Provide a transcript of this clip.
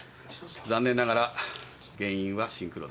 残念ながら原因はシンクロです。